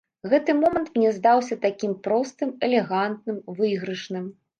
Гэты момант мне здаўся такім простым, элегантным, выйгрышным.